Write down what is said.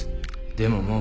でももう。